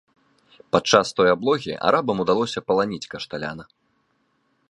Падчас той аблогі арабам удалося паланіць кашталяна.